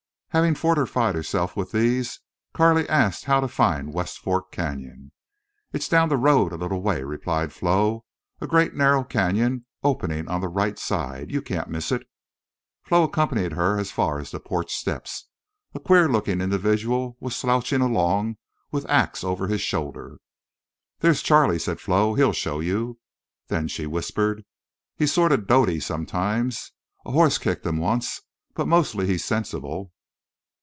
Having fortified herself with these, Carley asked how to find West Fork Canyon. "It's down the road a little way," replied Flo. "A great narrow canyon opening on the right side. You can't miss it." Flo accompanied her as far as the porch steps. A queer looking individual was slouching along with ax over his shoulder. "There's Charley," said Flo. "He'll show you." Then she whispered: "He's sort of dotty sometimes. A horse kicked him once. But mostly he's sensible."